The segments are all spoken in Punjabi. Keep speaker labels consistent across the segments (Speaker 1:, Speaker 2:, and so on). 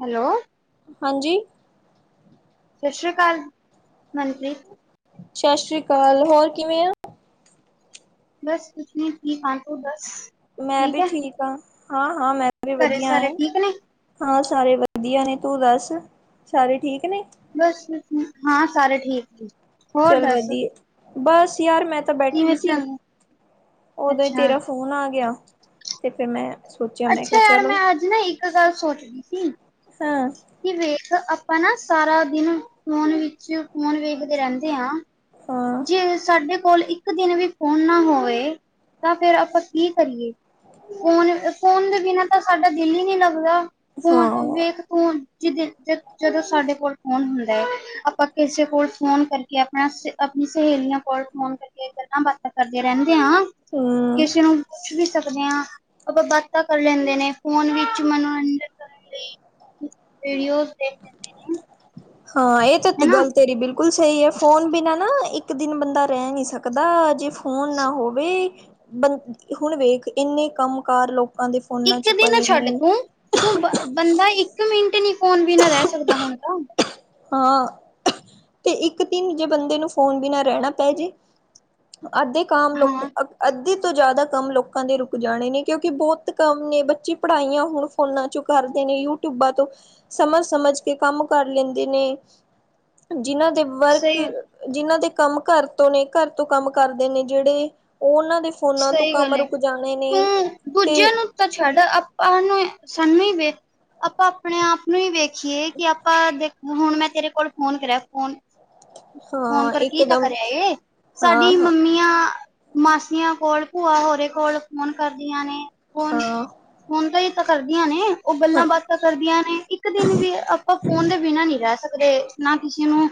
Speaker 1: ਹੈਲੋ।
Speaker 2: ਹਾਂਜੀ।
Speaker 1: ਸਤਿ ਸ੍ਰੀ ਅਕਾਲ ਮੰਨਤ੍ਰਰੀ। [unintelligible]
Speaker 2: ਸਤਿ ਸ੍ਰੀ ਅਕਾਲ ਹੋਰ ਕਿਵੇਂ ਆ?
Speaker 1: ਬਸ ਠੀਕ [unintelligible] ਆ ਤੂੰ ਦਸ।
Speaker 2: ਮੈਂ ਵੀ ਠੀਕ ਹਾਂ ਹਾਂ ਹਾਂ ਮੈਂ ਵੀ
Speaker 1: ਘਰੇ
Speaker 2: ਵਧੀਆ
Speaker 1: ਸਾਰੇ
Speaker 2: ਆ।
Speaker 1: ਠੀਕ ਨੇ
Speaker 2: ਹਾਂ ਸਾਰੇ ਵਧੀਆ ਨੇ ਤੂੰ ਦੱਸ ਸਾਰੇ ਠੀਕ ਨੇ?
Speaker 1: ਬਸ ਹਾਂ ਸਾਰੇ ਠੀਕ ਏ।
Speaker 2: ਚੱਲ ਵਧੀਏ ਬਸ ਯਾਰ ਮੈਂ ਤਾਂ
Speaker 1: ਕਿਵੇਂ
Speaker 2: ਬੈਠੀ ਸੀ
Speaker 1: ਚੰ
Speaker 2: ਉਦੋਂ ਹੀ
Speaker 1: ਅੱਛਾ
Speaker 2: ਤੇਰਾ ਫੋਨ ਆ ਗਿਆ ਤੇ ਫਿਰ ਮੈਂ ਸੋਚਿਆ ਮੈਂ
Speaker 1: ਅੱਛਾ
Speaker 2: ਕਿਹਾ
Speaker 1: ਯਾਰ ਮੈਂ
Speaker 2: ਚਲੋ
Speaker 1: ਅੱਜ ਨਾ ਇੱਕ ਗੱਲ ਸੋਚਦੀ ਸੀ।
Speaker 2: ਸਾਂ
Speaker 1: ਕਿ ਵੇਖ ਆਪਾਂ ਨਾ ਸਾਰਾ ਦਿਨ ਫੋ਼ਨ ਵਿੱਚ ਫੋ਼ਨ ਵੇਖਦੇ ਰੈਂਦੇ ਆ।
Speaker 2: ਹਾਂ-ਹਾਂ-ਹਾਂ
Speaker 1: ਜੇ ਸਾਡੇ਼ ਕੋਲ ਇੱਕ ਇੱਕ ਦਿਨ ਵੀ ਫੋਨ ਨਾ ਹੋਵੇ ਤਾਂ ਫੇਿਰ ਆਪਾਂ ਕੀ ਕਰੀਏ? ਫੋਨ ਫ਼ੋਨ ਦੇ ਬਿਨਾਂ ਤਾਂ ਸਾਡਾ਼ ਦਿਲ ਈ ਨੀ ਲੱਗਦਾ ਫੋਨ ਵੇਖ ਜਿਦੇ ਜ। [inaudible] ਜਦੋਂ ਸਾਡੇ਼ ਕੋਲ ਫ਼ੋਨ ਹੁੰਦਾ ਐ ਆਪਾਂ ਕਿਸੇ ਕੋਲ ਫੋਨ ਕਰਕੇ ਆਪਨਾ ਸ ਆਪਨੀ ਸਹੇਲੀਆਂ ਕੋਲ ਫੋ਼ਨ ਕਰਕੇ ਗੱਲਾਂ ਬਾਤਾਂ ਕਰਦੇ ਰਹਿੰਦੇ ਆ
Speaker 2: ਹੂੰ
Speaker 1: ਕਿਸੇ ਨੂੰ ਪੁੱਛ ਵੀ ਸਕਦੇ ਆ। ਅਪਾਂ ਬਾਤਾਂ ਕਰ ਲੈਂਦੇ ਨੇ ਫੋਨ ਵਿੱਚ ਮਨੋਰੰਜਨ ਕਰਨ ਲਈ ਵੀਡੀਓਜ਼ ਦੇਖ ਲੈਂਦੇ ਨੇ
Speaker 2: ਹਾਂ ਐ ਤੇ
Speaker 1: ਹੈਨਾ
Speaker 2: ਗੱਲ ਤੇਰੀ ਬਿਲਕੁਲ ਸਈ ਐ ਫੋਨ ਬਿਨਾਂ ਨਾ ਇੱਕ ਇੱਕ ਦਿਨ ਬੰਦਾ ਰੈ ਨੀ ਸਕਦਾ ਜੇ ਫੋਨ ਨਾ ਹੋਵੇ ਬਨ ਹੁਣ ਵੇਖ ਇੰਨੇ ਕੰਮ -ਕਾਰ ਲੋਕ
Speaker 1: ਇੱਕ ਦਿਨ ਛੱਡ ਤੂੰ ਤੂੰ ਬ ਬੰਦਾ ਇੱਕ ਮਿੰਟ ਨੀ ਫੋਨ ਬਿਨਾਂ ਰਹਿ ਸਕਦਾ ਹੁਣ ਤਾਂ।
Speaker 2: ਹਾਂ। ਤੇ ਇੱਕ ਦਿਨ ਜੇ ਬੰਦੇ ਨੂੰ ਫੋਨ ਬਿਨਾਂ ਰਹਿਣਾ ਪੈ ਜੇ ਅੱਧੇ ਕਮ ਲੋਕ
Speaker 1: ਹਾਂ
Speaker 2: ਅੱਧੀ ਤੋਂ ਜ਼ਿਆਦਾ ਕੰਮ ਲੋਕਾਂ ਦੇ ਰੁਕ ਜਾਣੇ ਨੇ ਕਿਉਂਕਿ ਬੋਤ ਕੰਮ ਨੇ ਬੱਚੇ ਪੜ੍ਹਾਈਆਂ ਹੁਣ ਫੋਨਾਂ ਚੁ ਕਰਦੇ ਨੇ ਯੂਟਊਬਾਂ ਤੋਂ ਸਮਝ- ਸਮਝ ਕੇ ਕੰਮ ਕਰ ਲੈਂਦੇ ਨੇ। ਜਿਨਾਂ ਦੇ ਵਰਕ
Speaker 1: ਸਹੀ
Speaker 2: ਜਿਨਾਂ ਦੇ ਕੰਮ ਘਾਰ ਤੋਂ ਨੇ, ਘਾਰ ਤੋਂ ਕਾੰਮ ਕਰਦੇ ਨੇ ਜਿਹੜੇ, ਉਹ ਉਨਾਂ ਦੇ ਫੋਨਾਂ ਤੋਂ
Speaker 1: ਸਈ
Speaker 2: ਕੰਮ
Speaker 1: ਗੱਲ ਐ,
Speaker 2: ਰੁਕ ਜਾਣੇ ਨੇ
Speaker 1: ਤੂੰ
Speaker 2: ਤੇ
Speaker 1: ਦੂਜਿਆਂ ਨੂੰ ਤਾਂ ਛਾੱਡ ਆਪਾਂ ਨੂੰ, ਸਾਨੂੰ ਹੀ ਵੇਖ ਆਪਾਂ ਆਪਣੇ ਆਪ ਨੂੰ ਹੀ ਵੇਖੀਏ ਕਿ ਆਪਾਂ ਦੇ, ਹੁਣ ਮੈਂ ਤੇਰੇ ਕੋਲ ਫੋਨ ਕਰਿਆ ਫੋਨ ਫੋ਼ਨ
Speaker 2: ਹਾਂ
Speaker 1: ਕਰਕੇ ਈ ਤਾਂ
Speaker 2: ਇੱਕਦਮ
Speaker 1: ਕਰਿਆ ਐ,
Speaker 2: ਹਾਂ
Speaker 1: ਸਾਡੀ
Speaker 2: ਹਾਂ
Speaker 1: ਮੰਮੀਆਂ ਮਾਸੀਆਂ ਕੋਲ, ਭੂਆ ਹੋਰੇ ਕੋਲ ਫੋ਼ਨ ਕਰਦੀਆਂ ਨੇ, ਫੋ਼ਨ
Speaker 2: ਹਾਂ
Speaker 1: ਫੋਨ ਤੇ ਇਹ ਤਾਂ ਕਰਦੀਆਂ ਨੇ, ਔ ਗੱਲਾਂ
Speaker 2: ਹਾਂ
Speaker 1: -ਬਾਤਾ ਕਰਦੀਆਂ ਨੇ, ਇੱਕ ਦਿਨ ਵੀ ਆਪਾਂ ਫੋਨ ਦੇ ਬਿਨਾਂ ਨੀ ਰਹ ਸਕਦੇ, ਨਾ ਕਿੱਸੇ ਨੂੰ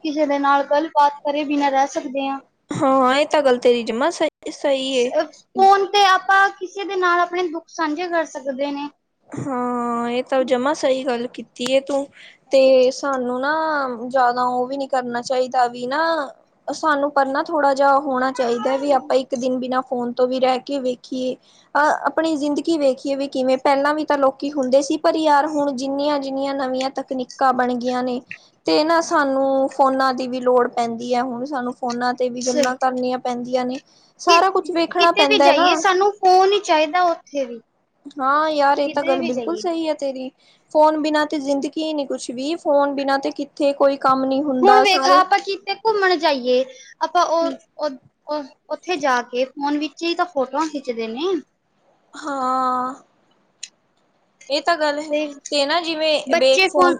Speaker 1: ਕਿੱਸੇ ਦੇ ਨਾਲ ਗੱਲ-ਬਾਤ ਕਰੇ ਬੀਨਾ ਰਹ ਸਕਦੇ ਆਂ
Speaker 2: ਹਾਂ ਏ ਤਾਂ ਗੱਲ ਤੇਰੀ ਜਮਾ ਸਹੀ ਸਹੀ ਏ
Speaker 1: ਫੋ਼ਨ ਤੇ ਆਪਾਂ ਕਿਸੇ ਦੇ ਨਾਲ ਆਪਨੇ ਦੁੱਖ ਸਾਂਝੇ ਕਰ ਸਕਦੇ ਨੇ।
Speaker 2: ਹਾਂ, ਏ ਤਾਂ ਜਮਾ ਸਹੀ ਗੱਲ ਕੀਤੀ ਐ ਤੂੰ। ਤੇ, ਸਾਨੂੰ ਨਾ ਜਾਦਾ ਔਵੀ ਨੀ ਕਰਨਾ ਚਾਈਦਾ, ਵੀ ਨਾ ਸਾਨੂੰ ਪਰ ਨਾ ਥੋੜਾ ਜਿਆ ਹੋਣਾ ਚਾਈਦਾ, ਵੀ ਆਪਾਂ ਇੱਕ ਦਿਨ ਬਿਨਾ ਫੋਨ ਤੋਂ ਵੀ ਰੈ ਕੇ ਵੇਖ ਕਿ, ਅ ਅਪਣੀ ਜ਼ਿੰਦਗੀ ਵੇਖੀਏ ਵੀ ਕਿਵੇਂ ਪੈਲਾਂ ਵੀ ਤਾਂ ਲੋਕੀ ਹੁੰਦੇ ਸੀ ਪਰ ਯਾਰ ਹੁਣ ਜਿੰਨੀਆਂ- ਜਿੰਨੀਆਂ ਨਵੀਆਂ ਤਕਨੀਕਾਂ ਬਣ ਗਿਆਂ ਨੇ ਤੇ ਨਾ ਸਾਨੂੰ, ਫੋਨਾਂ ਦੀ ਵੀ ਲੋੜ ਪੈਂਦੀ ਐ, ਹੁਣ ਸਾਨੂੰ ਫੋਨਾਂ ਤੇ ਵੀ
Speaker 1: ਸਹੀ।
Speaker 2: ਗੱਲਾਂ ਕਰਨੀਆਂ ਪੈਂਦੀਆਂ ਨੇ,
Speaker 1: ਕਿ
Speaker 2: ਸਾਰਾ ਕੁਛ ਵੇਖਣਾ
Speaker 1: ਕਿਤੇ ਵੀ
Speaker 2: ਪੈਂਦਾਐ ਨਾ।
Speaker 1: ਜਾਈਏ ਸਾਨੂੰ ਫੋਨ ਹੀ ਚਾਈਦਾ ਉੱਥੇ ਵੀ।
Speaker 2: ਹਾਂ ਯਾਰ ਏ ਤਾਂ
Speaker 1: ਕਿਧਰੇ
Speaker 2: ਗੱਲ
Speaker 1: ਵੀ
Speaker 2: ਬਿਲਕੁਲ
Speaker 1: ਜਾਈਏ
Speaker 2: ਸਈ ਐ ਤੇਰੀ। ਫੋ਼ਨ ਬਿਨਾ ਤੇ ਜ਼ਿੰਦਗੀ ਨੀ ਕੁਛ ਵੀ, ਫੋ਼ਨ ਬਿਨਾਂ ਤੇ ਕਿੱਥੇ ਕੋਈ ਕੰਮ ਨੀ
Speaker 1: ਹੁਨ
Speaker 2: ਹੁੰਦਾ
Speaker 1: ਵੇਖ ਆ
Speaker 2: ਸਾਰੇ
Speaker 1: ਆਪਾਂ ਕਿਥੇ ਘੁੰਮਣ ਜਾਈਐ, ਆਪਾਂ ਔ ਔਦ ਔਹ ਉੱਥੇ ਜਾ ਕੇ ਫੋਨ ਵਿੱਚ ਚੀ ਤਾਂ ਫੋਟੋਵਾ ਖਿੱਚਦੇ ਨੇ।
Speaker 2: ਹਾਂ। ਏ ਤਾਂ ਗੱਲ ਹੈ, ਤੇ ਨਾ ਜਿਵੇਂ, ਵੀ ਇਕ ਫੋਨ,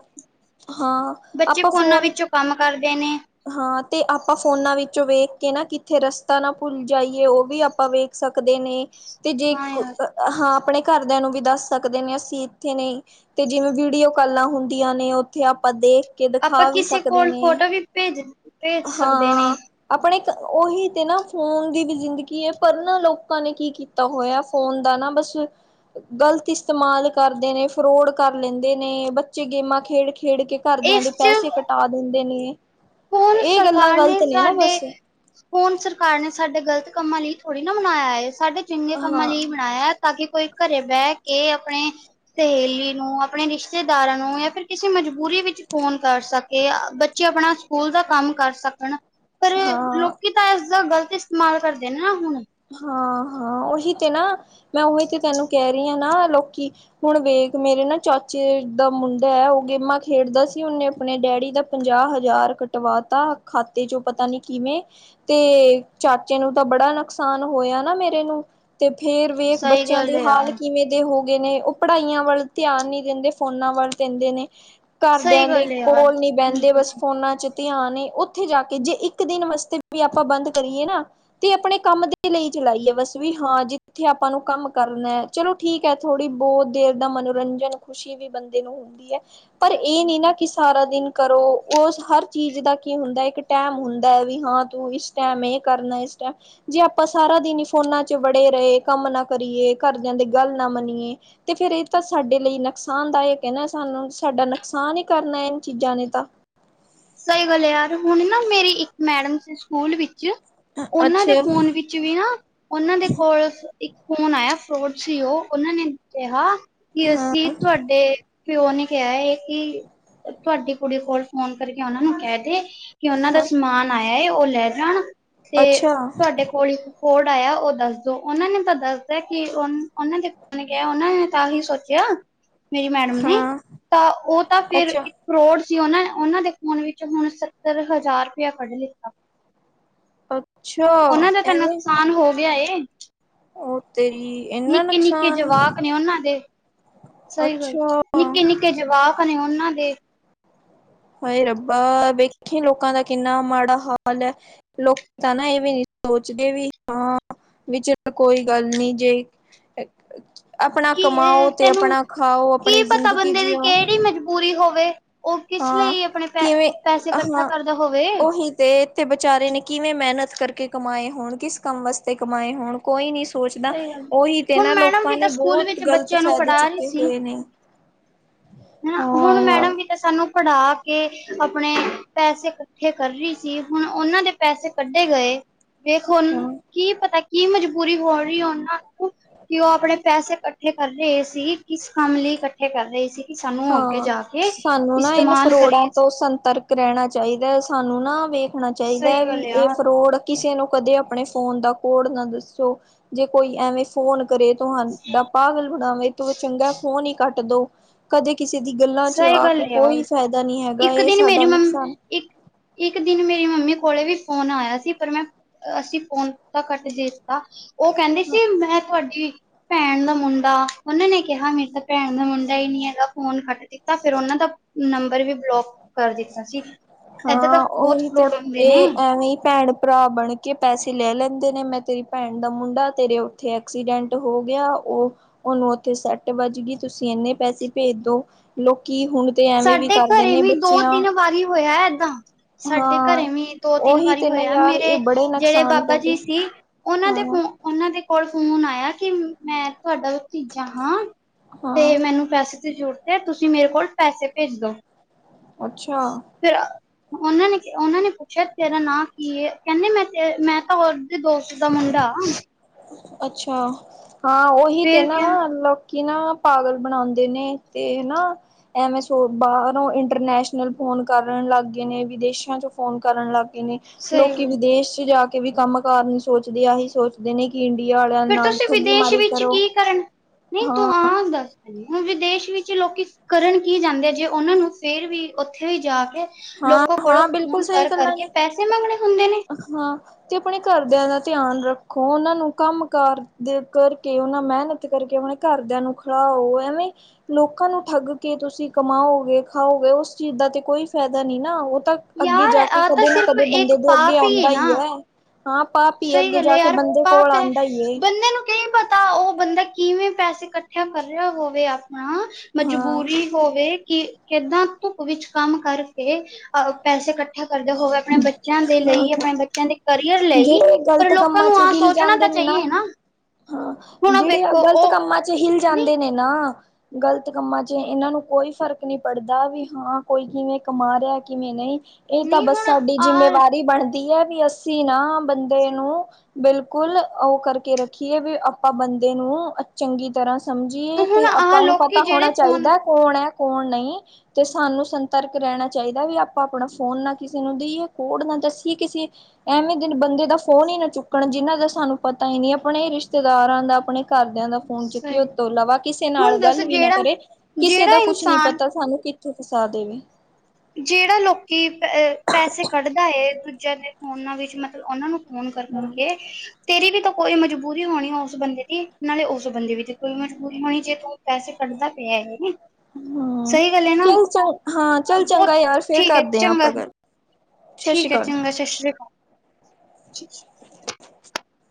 Speaker 2: ਹਾਂ ਆਪਾਂ ਫੋਨ
Speaker 1: ਕਾੰਮ ਕਰਦੇ ਨੇ
Speaker 2: ਹਾਂ, ਤੇ ਆਪਾਂ ਫੋਨਾਂ ਵਿੱਚੋਂ ਵੇਖ ਕੇ ਨਾ ਕਿੱਥੇ ਰਸਤਾ ਨਾ ਭੁਲ ਜਾਈਐ, ਔ ਵੀ ਆਪਾਂ ਵੇਖ ਸਕਦੇ ਨੇ, ਤੇ ਜੇ
Speaker 1: ਹਾਂ
Speaker 2: ਕੋ
Speaker 1: ਯਾਰ
Speaker 2: ਅ ਹਾਂ ਆਪਣੇ ਘਰਦਿਆਂ ਨੂੰ ਵੀ ਦਾੱਸ ਸਕਦੇ ਨੇ ਅਸੀਂ ਇੱਥੇ ਨਈ। ਤੇ ਜਿਵੇਂ ਵੀਡੀਓ ਕਾਲਾਂ ਹੁੰਦੀਆਂ ਨੇ, ਉੱਥੇ ਆਪਾਂ ਦੇਖ ਕੇ
Speaker 1: ਆਪਾਂ
Speaker 2: ਦਿਖਾ ਵੀ
Speaker 1: ਕਿਸੇ
Speaker 2: ਸਕਦੇ
Speaker 1: ਕੋਲ
Speaker 2: ਨੇ।
Speaker 1: ਫੋਟੋ ਵੀ ਭੇਜ ਦਿੱ
Speaker 2: ਹਾਂ। ਆਪਣੇ ਓਹੀ ਤੇ ਨਾ ਫੋਨ ਦੀ ਵੀ ਜ਼ਿੰਦਗੀ ਐ, ਪਰ ਨਾ ਲੋਕਾਂ ਨੇ ਕੀ ਕੀਤੀ ਕੀ ਤਾਂ ਹੋਇਆ ਫੋਨ ਦਾ ਨਾ ਬਸ ਗ਼ਲਤ ਇਸਤੇਮਾਲ ਕਰਦੇ ਨੇ, ਫਰੋਡ ਕਰ ਲੈਂਦੇ ਨੇ ਬੱਚੇ ਗੇਮਾਂ ਖੇਡ-ਖੇਡ ਕੇ। ਘਰਦਿਆਂ ਦੇ
Speaker 1: ਇਸ ਚ
Speaker 2: ਪੈਸੇ ਕਟਾ ਦਿੰਦੇ ਨੇ।
Speaker 1: ਹੁਣ
Speaker 2: ਇਹ ਗੱਲਾਂ
Speaker 1: ਸਰਕਾਰ ਨੇ
Speaker 2: ਗ਼ਲਤ ਨਾ
Speaker 1: ਸਾਡੇ
Speaker 2: ਬਸ
Speaker 1: ਫੋਨ ਸਰਕਾਰ ਨੇ ਸਾਡੇ ਗ਼ਲਤ ਕੰਮਾਂ ਲਈ ਥੋੜ੍ਹੀ ਨਾ ਬਣਾਨਾਇਆ ਏ, ਸਾਡੇ ਚੰਗੇ ਕੰਮਾਂ
Speaker 2: ਹਾਂ
Speaker 1: ਲਈ ਬਨਾਇਆ, ਤਾਂ ਕਿ ਕੋਈ ਘਰੇ ਬੈ ਕੇ, ਆਪਣੇ ਸਹੇਲੀ ਨੂੰ, ਆਪਣੇ ਰਿਸ਼ਤੇਦਾਰਾਂ ਨੂੰ, ਜਾਂ ਫਿਰ ਕਿਸੇ ਮਜਬੂਰੀ ਵਿੱਚ ਫ਼ੋਨ ਕਰ ਸਕ ਕੇ ਬੱਚੇ ਆਪਣਾ ਸਕੂਲ ਦਾ ਕੰਮ ਕਰ ਸਕਣ, ਪਰ
Speaker 2: ਹਾਂ
Speaker 1: ਲੋਕੀ ਤਾਂ ਇਸਦਾ ਗ਼ਲਤ ਇਸਤੇਮਾਲ ਕਰਦੇ ਨੇ ਨਾ ਹੁਣ।
Speaker 2: ਹਾਂ-ਹਾਂ ਓਹੀ ਤੇ ਨਾ, ਮੈਂ ਓਹੀ ਤੇ ਤੈਨੂੰ ਕੈਰੀ ਆ ਨਾ ਲੋਕੀ ਹੁਣ ਵੇਖ ਮੇਰੇ ਨਾ ਚਾਚੇ ਦਾ ਮੁੰਡਾ ਐ, ਓ ਗੇਮਾਂ ਖੇਡਦਾ ਸੀ ਉਨੇ ਆਪਣੇ ਡੈਡੀ ਦਾ ਪੰਜਾਹ ਹਜ਼ਾਰ ਕਟਵਾਤਾ ਖਾਤੇ ਚੋਂ ਪਤਾ ਨੀ ਕਿਵੇਂ। ਤੇ ਚਾਚੇ ਨੂੰ ਤਾਂ ਬੜਾ ਨੁ ਸਾਨ ਹੋਇਆ ਨਾ ਮੇਰੇ ਨੂੰ ਤੇ ਫੇਰ ਵੇਖ
Speaker 1: ਸਹੀ
Speaker 2: ਬੱਚਿਆਂ
Speaker 1: ਗੱਲ
Speaker 2: ਦੀ
Speaker 1: ਹੈ
Speaker 2: ਹਾਲ
Speaker 1: ਯਾਰ
Speaker 2: ਕਿਵੇਂ ਦੇ ਹੋਗੇ ਨੇ ਓ ਪੜ੍ਹਾਈਆਂ ਵੱਲ ਧਿਆਨ ਨੀ ਦਿੰਦੇ ਫੋਨਾਂ ਵੱਲ ਦਿੰਦੇ ਨੇ।
Speaker 1: ਸਹੀ
Speaker 2: ਘਰਦਿਆਂ ਦੇ
Speaker 1: ਗੱਲ ਹੈ ਯਾਰ
Speaker 2: ਕੋਲ ਨੀ ਬੈਂਦੇ
Speaker 1: ਬਿਲਕੁਲ
Speaker 2: ਬਸ
Speaker 1: ਸਹੀ
Speaker 2: ਫੋਨਾਂ ਚ ਧਿਆਨ ਏ ਓਥੇ ਜਾ ਕੇ ਜੇ ਇੱਕ ਦਿਨ ਵਾਸਤੇ ਵੀ ਆਪਾਂ ਬੰਦ ਕਰੀਏ ਨਾ ਤੇ ਅਪਣੇ ਕੰਮ ਦੇ ਲਈ ਚਲਾਈ ਏ ਬਸ ਵੀ ਹਾਂ ਜਿੱਥੇ ਆਪਾਂ ਨੂੰ ਕੰਮ ਕਰਨਾ ਚਲੋ ਠੀਕ ਐ ਥੋੜ੍ਹੀ ਬੋ ਦੇਰ ਦਾ ਮਨੋਰੰਜਨ ਖੁਸ਼ੀ ਵੀ ਬੰਦੇ ਨੂੰ ਹੁੰਦੀ ਐ। ਪਰ ਏ ਨੀ ਨਾ ਕਿ ਸਾਰਾ ਦਿਨ ਕਰੋ ਉਸ ਹਰ ਚੀਜ਼ ਦਾ ਕੀ ਹੁੰਦਾ ਇੱਕ ਟੈਮ ਹੁੰਦੈ ਵੀ ਹਾਂ ਤੂੰ ਇਸ ਟੈਮ ਏ ਕਰਨਾ ਇਸ ਟੈਮ ਜੇ ਆਪਾਂ ਸਾਰਾ ਦਿਨ ਈ ਫੋਨਾਂ ਚ ਵੜੇ ਰਏ ਕੰਮ ਨਾ ਕਰੀਏ ਘਰ ਦਿਆਂ ਦੇ ਗੱਲ ਨਾ ਮੰਨੀਏ ਤੇ ਫੇਰ ਏ ਤਾਂ ਸਾਡੇ ਲਈ ਨੁਕਸਾਨਦਾਇਕ ਐ ਨਾ ਸਾਨੂੰ ਸਾਡਾ ਨੁਕਸਾਨ ਈ ਕਰਨਾ ਏ ਚੀਜ਼ਾਂ ਨੇ ਤਾਂ।
Speaker 1: ਸਈ ਗੱਲ ਯਾਰ ਹੁਣ ਨਾ ਮੇਰੀ ਇੱਕ ਮੈਡਮ ਸੀ ਸਕੂਲ ਵਿੱਚ ਉਨਾਂ ਦੇ
Speaker 2: ਅੱਛਾ
Speaker 1: ਫੋਨ ਵਿੱ ਚ ਵੀ ਨਾ ਓਨਾਂ ਦੇ ਕੋਲ ਇੱਕ ਫੋਨ ਆਇਆ ਫਰੋਡ ਸੀ ਓ ਓਨਾਂ ਨੇ ਕਿਹਾ ਕੀ
Speaker 2: ਹਾਂ
Speaker 1: ਅਸੀਂ ਤੁਹਾਡੇ ਪਿਓ ਨੇ ਕਿਆ ਏ ਕੀ ਤੁਹਾਡੀ ਕੁੜੀ ਕੋਲ ਫੋਨ ਕਰਕੇ ਓਨਾਂ ਨੂੰ ਕੈ ਦੇ ਕੀ ਓਨਾਂ ਦਾ
Speaker 2: ਹਾਂ
Speaker 1: ਸਮਾਨ ਆਇਆ ਏ ਓ ਲੈ ਜਾਣ ਤੇ
Speaker 2: ਅੱਛਾ
Speaker 1: ਤੁਹਾਡੇ ਕੋਲ ਈ ਕੋਡ ਆਇਆ ਓ ਦੱਸ ਦੋ ਓਨਾਂ ਨੇ ਤਾਂ ਦਸਤਾ ਕੀ ਉਨਾਂ ਦੇ [unintelligible] ਨੇ ਕਿਹਾ ਹੋਣਾ ਤਾਂ ਹੀ ਸੋਚਿਆ। ਮੇਰੀ ਮੈਡਮ ਨੇ,
Speaker 2: ਹਾਂ
Speaker 1: ਤਾਂ ਓ ਤਾਂ ਫੇਰ
Speaker 2: ਅੱਛਾ
Speaker 1: ਇੱਕ ਫਰੋਡ ਸੀ ਓਨਾਂ-ਓਨਾਂ ਦੇ ਫੋਨ ਵਿੱਚ ਹੁਣ ਸੱਤਰ ਹਜ਼ਾਰ ਰੁਪਇਆ ਕੱਢ ਲਿੱਤਾ।
Speaker 2: ਅੱਛਾ
Speaker 1: ਓਨਾਂ ਦਾ ਤਾਂ ਨੁਕਸਾਨ ਹੋ ਗਿਆ ਏ।
Speaker 2: ਓ ਤੇਰੀ। ਇੰਨਾ
Speaker 1: ਨਿੱਕੇ-ਨਿੱਕੇ
Speaker 2: ਨੁਕਸਾਨ
Speaker 1: ਜਵਾਕ ਨੇ ਓਨਾਂ ਦੇ ਸਈ ਗੱਲ
Speaker 2: ਅੱਛਾ
Speaker 1: ਨਿੱਕੇ-ਨਿੱ ਕੇ ਜਵਾਕ ਨੇ ਓਨਾਂ ਦੇ।
Speaker 2: ਹਾਏ ਰੱਬਾ ਵੇਖੀ ਲੋਕਾਂ ਦਾ ਕਿੰਨਾ ਮਾੜਾ ਹਾਲ ਐ। ਲੋਕ ਤਾਂ ਨਾ ਏ ਵੀ ਨੀ ਸੋਚਦੇ ਵੀ ਹਾਂ ਵੀ ਚਲ ਕੋਈ ਗੱਲ ਨੀ ਜੇ
Speaker 1: [inaudible]
Speaker 2: ਆਪਣਾ
Speaker 1: ਕੀ
Speaker 2: ਕਮਾਓ ਤੇ
Speaker 1: ਤੈਨੂੰ
Speaker 2: ਆਪਣਾ ਖਾਓ
Speaker 1: ਕੀ
Speaker 2: ਆਪਣੀ
Speaker 1: ਪਤਾ
Speaker 2: ਜ਼ਿੰਦਗੀ
Speaker 1: ਬੰਦੇ ਦੀ
Speaker 2: ਜੀਓ
Speaker 1: ਕੇੜੀ ਮਜਬੂਰੀ ਹੋਵੇ। ਓ ਕਿਸ
Speaker 2: ਹਾਂ
Speaker 1: ਲਈ ਆਪਣੇ ਪੈ
Speaker 2: ਕਿਵੇਂ
Speaker 1: ਪੈਸੇ ਕੱਠਾ
Speaker 2: ਹਾਂ
Speaker 1: ਕਰਦਾ ਹੋਵੇ।
Speaker 2: [unintelligible] ਤੇ। ਤੇ ਵਿਚਾਰੇ ਨੇ ਕਿਵੇਂ ਮੇਹਨਤ ਕਰਕੇ ਕਮਾਏ ਹੋਣ ਕਿਸ ਕੰਮ ਵਾਸਤੇ ਕਮਾਏ ਹੋਣ। ਕੋਈ ਨੀ ਸੋਚਦਾ
Speaker 1: ਸਹੀ ਗੱਲ
Speaker 2: ਓਹੀ ਤੇ ਨਾ
Speaker 1: ਹੁਣ ਮੈਡਮ
Speaker 2: ਲੋਕਾਂ
Speaker 1: ਵੀ ਤਾਂ
Speaker 2: ਨੇ
Speaker 1: ਸਕੂਲ
Speaker 2: ਬੋਤ
Speaker 1: ਵਿੱਚ
Speaker 2: ਗ਼ਲਤ
Speaker 1: ਬੱਚਿਆਂ ਨੂੰ
Speaker 2: ਫੇਦੇ
Speaker 1: ਪੜ੍ਹਾ ਰਹੀ
Speaker 2: ਚੁੱਕੇ
Speaker 1: ਸੀ
Speaker 2: ਹੋਏ ਨੇ।
Speaker 1: ਹਨਾ
Speaker 2: ਹਾਂ
Speaker 1: ਹੁਣ
Speaker 2: ਯਾਰ
Speaker 1: ਮੈਡਮ ਤੇ ਸਾਨੂੰ ਪੜ੍ਹਾ ਕੇ ਆਪਣੇ ਪੈਸੇ ਕੱਠੇ ਕਰ ਰੀ ਸੀ ਹੁਣ ਓਨਾਂ ਦੇ ਪੈਸੇ ਕੱਢੇ ਗਏ ਵੇਖ ਹੁਣ
Speaker 2: ਹਾਂ
Speaker 1: ਕੀ ਪਤਾ ਕੀ ਮਜਬੂਰੀ ਹੋਰੀ ਓਨਾਂ ਕਿ ਉਹ ਆਪਣੇ ਪੈਸੇ ਕੱਠੇ ਕਰ ਰੇ ਸੀ ਕਿਸ ਕੰਮ ਲਈ ਕੱਠੇ ਕਰ ਰੇ ਸੀ। ਕਿ ਸਾਨੂੰ ਅੱਗੇ
Speaker 2: ਹਾਂ
Speaker 1: ਜਾ ਕੇ
Speaker 2: ਸਾਨੂੰ ਨਾ ਇਹਨ
Speaker 1: ਇਸਤੇਮਾਲ
Speaker 2: ਫਰੋੜਾਂ
Speaker 1: ਕਰੀਏ
Speaker 2: ਤੋਂ ਸੰਤਰਕ ਰਹਿਣਾ ਚਾਈਦਾ ਸਾਨੂੰ ਨਾ ਵੇਖਣਾ ਚਾਈਦਾ
Speaker 1: ਸਹੀ
Speaker 2: ਹੈ ਵੀ
Speaker 1: ਗੱਲ ਆ
Speaker 2: ਇਹ ਫਰੋੜ ਕਿਸੇ ਨੂੰ ਕਦੇ ਅਪਣੇ ਫੋਨ ਦਾ ਕੋਡ ਨਾ ਦੱਸੋ ਜੇ ਕੋਈ ਐਵੇਂ ਫੋਨ ਕਰੇ ਤੁਹਾਨ ਪਾਗਲ ਬਣਾਵੇ ਤੂੰ ਚੰਗਾ ਫੋਨ ਹੀ ਕੱਟ ਦੋ। ਕਦੇ ਕਿਸੇ ਦੀ ਗੱਲਾਂ ਚ
Speaker 1: ਸਹੀ
Speaker 2: ਆ
Speaker 1: ਗੱਲ
Speaker 2: ਕੇ ਕੋਈ ਫਾਇਦਾ ਨੀ ਹੈਗਾ
Speaker 1: ਇੱਕ
Speaker 2: ਇਹ
Speaker 1: ਦਿਨ
Speaker 2: ਸਾਡਾ
Speaker 1: ਮੇਰੀ ਮੰਮ
Speaker 2: ਨੁਕਸਾਨ
Speaker 1: ਇੱਕ ਇੱਕ ਦਿਨ ਮੇਰੀ ਮੰਮੀ ਕੋਲੇ ਵੀ ਫੋਨ ਆਇਆ ਸੀ ਪਰ ਮੈਂ ਅਸੀਂ ਫੋਨ ਤਾਂ ਕੱਟ ਦਿ ਤਾ ਉਹ ਕੇੰਦੀ ਸੀ ਮੈਂ ਤੁਹਾਡੀ ਭੈਣ ਦਾ ਮੁੰਡਾ ਉਨਾਂ ਨੇ ਕਿਹਾ ਮੇਰੇ ਤਾਂ ਭੈਣ ਦਾ ਮੁੰਡਾ ਹੀ ਨੀ ਹੈਗਾ ਫੋਨ ਖੱਟ ਦਿ ਤਾਂ ਫੇਰ ਉਹਨਾਂ ਦਾ ਨੰਬਰ ਵੀ ਬਲੋਕ ਕਰ ਦਿੱਤਾ ਸੀ। ਏਦਾਂ ਤਾਂ
Speaker 2: ਹਾਂ,
Speaker 1: ਬਹੁਤ
Speaker 2: ਉਹੀ ਤੇ
Speaker 1: ਫਰੋਡ ਹੁੰਦੇ ਨੇ
Speaker 2: ਇਹ ਐਵੇਂ ਹੀ ਭੈਣ-ਭਰਾ ਬਣ ਕੇ ਪੈਸੇ ਲੈ ਲੈਂਦੇ ਨੇ ਮੈਂ ਤੇਰੀ ਭੈਣ ਦਾ ਮੁੰਡਾ ਤੇਰੇ ਉੱਥੇ ਐਕਸੀਡੈਂਟ ਹੋ ਗਿਆ ਉ ਉਹਨੂੰ ਉੱਥੇ ਸਟ ਵੱਜ ਗਈ ਤੁਸੀਂ ਇੰਨੇ ਪੈਸੇ ਭੇਜ ਦੋ ਲੋਕੀ ਹੁਣ ਤੇ ਐਵੇਂ ਵੀ
Speaker 1: ਸਾਡੇ
Speaker 2: ਕਰਦੇ
Speaker 1: ਘਰੇ
Speaker 2: ਨੇ
Speaker 1: ਵੀ
Speaker 2: ਬੱਚਿਆਂ
Speaker 1: ਦੋ-ਤਿੰਨ ਵਾਰੀ ਹੋਇਆ ਏਦਾਂ। ਸਾਡੇ
Speaker 2: ਹਾਂ
Speaker 1: ਘਰੇ ਵੀ ਦੋ-ਤਿੰਨ
Speaker 2: ਉਹੀ
Speaker 1: ਵਾਰੀ
Speaker 2: ਤੇ ਨਾ
Speaker 1: ਹੋਇਆ
Speaker 2: ਯਾਰ ਇਹ
Speaker 1: ਮੇਰੇ
Speaker 2: ਬੜੇ
Speaker 1: ਜਿਹੜੇ
Speaker 2: ਨੁਕਸਾਨ
Speaker 1: ਬਾਬਾ
Speaker 2: ਕਰਦੇ
Speaker 1: ਜੀ ਸੀ ਉਹਨਾਂ ਦੇ
Speaker 2: ਹਾਂ
Speaker 1: ਫੋ ਉਹਨਾਂ ਦੇ ਕੋਲ ਫੋਨ ਆਇਆ ਕਿ ਮੈਂ ਤੁਹਾਡਾ ਭਤੀਜਾ ਹਾਂ। ਤੇ
Speaker 2: ਹਾਂ
Speaker 1: ਮੈਨੂੰ ਪੈਸੇ ਦੀ ਜ਼ਰੂਰਤ ਹੈ ਤੁਸੀਂ ਮੇਰੇ ਕੋਲ ਪੈਸੇ ਭੇਜ ਦੋ।
Speaker 2: ਅੱਛਾ।
Speaker 1: ਫਿਰ ਉਹਨਾਂ ਨੇ ਉਹਨਾਂ ਨੇ ਪੁੱਛਿਆ ਤੇਰਾ ਨਾਂ ਕੀ ਏ? ਕਹਿੰਦੇ ਮੈਂ-ਤੇ ਮੈਂ ਤਾਂ ਉਹਦੇ ਦੋਸਤ ਦਾ ਮੁੰਡਾ ਆ।
Speaker 2: ਅੱਛਾ, ਹਾਂ ਉਹੀ ਤੇ
Speaker 1: ਫੇਰ
Speaker 2: ਨਾ
Speaker 1: ਕਿਆ
Speaker 2: ਲੋ ਲੋਕੀ ਨਾ ਪਾਗਲ ਬਣਾਉਂਦੇ ਨੇ ਤੇ ਨਾ ਐਵੇ ਸੋ ਬਾਹਰੋਂ ਇੰਟਰਨੈਸ਼ਨਲ ਫੋਨ ਕਰਨ ਲੱਗ ਗਏ ਨੇ ਵਿਦੇਸ਼ਾਂ ਚੋਂ ਫੋਨ ਕਰਨ ਲੱਗ ਗਏ ਨੇ ਲੋਕੀ
Speaker 1: ਸਹੀ
Speaker 2: ਵਿਦੇਸ਼ ਚ ਜਾ ਕੇ ਵੀ ਕੰਮ-ਕਾਰ ਨੀ ਸੋਚਦੇ ਆਹੀ ਸੋਚ ਦੇ ਨੇ ਕਿ ਇੰਡੀਆ ਵਾਲਿਆਂ
Speaker 1: ਫਿਰ
Speaker 2: ਨਾਲ ਠੱਗੀ ਮਾਰੀ ਕਰੋ।
Speaker 1: ਨੀ ਤੂੰ
Speaker 2: ਹਾਂ
Speaker 1: ਆ ਅੰਦਰ। ਹੁਣ ਵਿਦੇਸ਼ ਵਿੱਚ ਲੋਕੀ ਕਰਨ ਕੀ ਜਾਂਦੇ ਆ ਜੇ ਉਹਨਾਂ ਨੂੰ ਫੇਰ ਵੀ ਉੱਥੇ ਵੀ ਜਾ ਕੇ
Speaker 2: ਹਾਂ
Speaker 1: ਲੋਕਾਂ ਕੋਲੋਂ
Speaker 2: ਹਾਂ ਬਿਲਕੁਲ
Speaker 1: ਫੋਨ
Speaker 2: ਸਹੀ ਗੱਲਾਂ
Speaker 1: ਕਰ-ਕਰਕੇ
Speaker 2: ਨੇ
Speaker 1: ਪੈਸੇ ਮੰਗਣੇ ਹੁੰਦੇ ਨੇ।
Speaker 2: ਹਾਂ। ਤੇ ਆਪਣੇ ਘਰਦਿਆਂ ਦਾ ਧਿਆਨ ਰੱਖੋ, ਉਹਨਾਂ ਨੂੰ ਕੰਮ-ਕਾਰ ਦੇ ਕਰਕੇ ਉਹਨਾਂ ਮਿਹਨਤ ਕਰਕੇ ਆਪਣੇ ਘਰਦਿਆਂ ਨੂੰ ਖਲਾਓ ਐਵੇਂ ਲੋਕਾਂ ਨੂੰ ਠੱਗ ਕੇ ਤੁਸੀਂ ਕਮਾਓਗੇ, ਖਾਓਗੇ ਉਸ ਚੀਜ਼ ਦਾ ਤੇ ਕੋਈ ਫਾਇਦਾ ਨੀ ਨਾ ਉਹ ਤਾਂ ਅੱਗੇ
Speaker 1: ਯਾਰ
Speaker 2: ਜਾ ਕੇ
Speaker 1: ਆ ਤਾਂ
Speaker 2: ਕਦੇ ਨਾ
Speaker 1: ਸਿਰਫ
Speaker 2: ਕਦੇ
Speaker 1: ਇੱਕ
Speaker 2: ਬੰਦੇ ਦੇ ਅੱਗੇ
Speaker 1: ਪਾਪ
Speaker 2: ਆਂਦਾ
Speaker 1: ਨਾ।
Speaker 2: ਹੀ ਹੈ। ਹਾਂ, ਪਾਪ ਹੀ ਏ
Speaker 1: ਸਹੀ
Speaker 2: ਅੱਗੇ
Speaker 1: ਗੱਲ ਹੈ
Speaker 2: ਜਾ ਕੇ
Speaker 1: ਯਾਰ
Speaker 2: ਬੰਦੇ ਕੋਲ
Speaker 1: ਪਾਪ ਹੈ
Speaker 2: ਆਉਂਦਾ ਈਏ।
Speaker 1: ਬੰਦੇ ਨੂੰ ਕੀ ਪਤਾ ਉਹ ਬੰਦਾ ਕਿਵੇਂ ਪੈਸੇ ਇਕੱਠਿਆ ਕਰ ਰਿਹਾ ਹੋਵੇ ਆਪਣਾ,
Speaker 2: ਹਾਂ
Speaker 1: ਮਜਬੂਰੀ ਹੋਵੇ ਕਿ ਕਿੱਦਾਂ ਧੁੱਪ ਵਿੱਚ ਕੰਮ ਕਰਕੇ ਅ ਪੈਸੇ ਇਕੱਠੇ ਕਰਦੇ ਹੋਵੇ। ਆਪਣੇ ਬੱਚਿਆਂ ਦੇ ਲਈ ਆਪਣੇ ਬੱਚਿਆਂ ਦੇ ਕਰੀਅਰ ਲਈ
Speaker 2: ਜਿਹੜੇ
Speaker 1: ਪਰ
Speaker 2: ਗ਼ਲਤ
Speaker 1: ਲੋਕਾਂ ਨੂੰ ਆਹ ਸੋਚਣਾ ਤਾਂ ਚਾਹੀਏ ਨਾ।
Speaker 2: ਹਾਂ,
Speaker 1: ਹੁਣ ਉਹ
Speaker 2: ਜਿਹੜੇ ਆ
Speaker 1: ਵੇਖੋ
Speaker 2: ਗਲਤ
Speaker 1: ਉਹ
Speaker 2: ਕੰਮਾਂ ਚ ਹਿਲ
Speaker 1: ਨਹੀਂ
Speaker 2: ਜਾਂਦੇ ਨੇ ਨਾ ਗਲਤ ਕੰਮਾਂ ਚ ਇਹਨਾਂ ਨੂੰ ਕੋਈ ਫਰਕ ਨੀ ਪੜਦਾ ਵੀ ਹਾਂ ਕੋਈ ਕਿਵੇਂ ਕਮਾ ਰਿਹਾ ਕਿਵੇਂ ਨਹੀਂ। ਇਹ ਤਾਂ
Speaker 1: ਨਹੀਂ
Speaker 2: ਬਸ
Speaker 1: ਹੁਣ
Speaker 2: ਸਾਡੀ
Speaker 1: ਆਹ
Speaker 2: ਜਿੰਮੇਵਾਰੀ ਬਣਦੀ ਹੈ ਵੀ ਅਸੀਂ ਨਾ ਬੰਦੇ ਨੂੰ ਬਿਲਕੁਲ ਉਹ ਕਰਕੇ ਰੱਖੀਏ ਵੀ ਆਪਾਂ ਬੰਦੇ ਨੂੰ ਚੰਗੀ ਤਰ੍ਹਾਂ ਸਮਝੀਏ
Speaker 1: ਹੁਣ
Speaker 2: ਤੇ
Speaker 1: ਆਹ
Speaker 2: ਆਪਾਂ ਨੂੰ
Speaker 1: ਲੋਕੀ
Speaker 2: ਪਤਾ
Speaker 1: ਜਿਹੜੇ
Speaker 2: ਹੋਣਾ
Speaker 1: ਫੋਨ
Speaker 2: ਚਾਹੀਦਾ ਕੌਣ ਹੈ ਕੌਣ ਨਹੀਂ, ਤੇ ਸਾਨੂੰ ਸੰਤਰਕ ਰਹਿਣਾ ਚਾਹੀਦਾ ਵੀ ਆਪਾਂ ਆਪਣਾ ਫੋਨ ਨਾ ਕਿਸ ਸੁਣਦੀ ਏ, ਕੋਢ ਨਾ ਦੱਸੀਏ ਕਿਸੇ ਐਵੇਂ ਦਿਨ ਬੰਦੇ ਦਾ ਫੋਨ ਹੀ ਨਾ ਚੁੱਕਣ ਜਿਹਨਾਂ ਦਾ ਸਾਨੂੰ ਪਤਾ ਹੀ ਨੀ ਆਪਣੇ ਰਿਸ਼ਤੇਦਾਰਾਂ ਦਾ ਆਪਣੇ ਘਰਦਿਆਂ ਦਾ ਫੋਨ ਚੁੱਕੀਏ
Speaker 1: ਸਹੀ
Speaker 2: ਉਸ ਤੋਂ ਇਲਾਵਾ ਕਿਸੇ ਨਾਲ
Speaker 1: ਹੁਣ ਦੱਸ
Speaker 2: ਗੱਲ ਵੀ ਨਾ
Speaker 1: ਜਿਹੜਾ
Speaker 2: ਕਰੇ। ਕਿਸੇ
Speaker 1: ਜਿਹੜਾ
Speaker 2: ਦਾ ਕੁਛ ਨੀ
Speaker 1: ਇਨਸਾਨ
Speaker 2: ਪਤਾ ਸਾਨੂੰ ਕਿੱਥੇ ਫਸਾ ਦੇਵੇ।
Speaker 1: ਜਿਹੜਾ ਲੋਕੀ ਅ ਪੈਸੇ ਕੱਢਦਾ ਏ ਦੂਜਿਆਂ ਦੇ ਫੋਨਾਂ ਵਿੱਚ ਮਤਲਬ ਉਹਨਾਂ ਨੂੰ ਫੋਨ ਕਰ-ਕਰਕੇ ਤੇਰੀ ਵੀ ਤੋ ਕੋਈ ਮਜਬੂਰੀ ਹੋਣੀ ਉਸ ਬੰਦੇ ਦੀ, ਨਾਲੇ ਉਸ ਬੰਦੇ ਵੀ ਦੀ ਕੋਈ ਮਜਬੂਰੀ ਹੋਣੀ ਜੇ ਤੂੰ ਪੈਸੇ ਕੱਢਦਾ ਪਿਆ ਏ,
Speaker 2: ਹਮ
Speaker 1: ਸਈ ਗੱਲ ਏ ਨਾ।
Speaker 2: ਚੱਲ ਚੰ ਹਾਂ, ਚੱਲ ਚੰਗਾ
Speaker 1: ਬਹੁਤ
Speaker 2: ਯਾਰ, ਫੇਰ
Speaker 1: ਠੀਕ ਹੈ
Speaker 2: ਕਰਦੇ ਆਂ
Speaker 1: ਚੰਗਾ
Speaker 2: ਆਪਾਂ ਗੱਲ। ਸਤਿ
Speaker 1: ਠੀਕ
Speaker 2: ਸ਼੍ਰੀ
Speaker 1: ਏ,
Speaker 2: ਅਕਾਲ
Speaker 1: ਚੰਗਾ ਸਤਿ ਸ਼੍ਰੀ ਅਕਾਲ।
Speaker 2: [unintelligible]